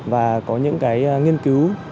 và có những cái nghiên cứu